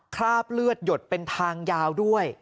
คราบเลือดหยดเป็นทางยาวด้วย